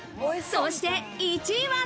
そして１位は。